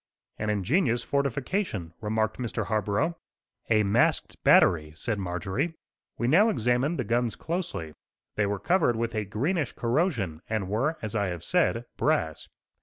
"An ingenious fortification," remarked Mr. Harborough. "A masked battery," said Marjorie. We now examined the guns closely. They were covered with a greenish corrosion, and were, as I have said, brass.